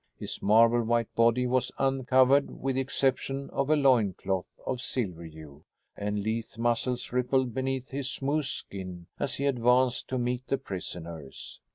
His marble white body was uncovered with the exception of a loin cloth of silver hue, and lithe muscles rippled beneath his smooth skin as he advanced to meet the prisoners.